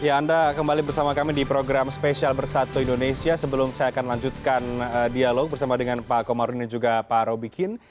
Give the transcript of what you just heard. ya anda kembali bersama kami di program spesial bersatu indonesia sebelum saya akan lanjutkan dialog bersama dengan pak komarudin dan juga pak robikin